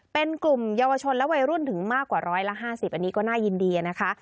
เป็นกลุ่มเยาวชนและวัยรุ่นถึงมากกว่าร้อยละ๕๐อันนี้ก็น่ายินดีนะคะ